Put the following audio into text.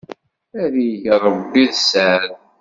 Ad t-yegg rebbi d sseɛd.